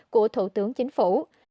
của thủ tướng chính phủ